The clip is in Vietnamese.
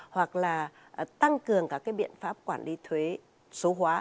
hoặc là tăng cường các cái biện pháp quản lý thuế số hóa